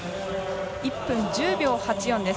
１分１０秒８４です。